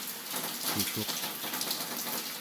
cikuq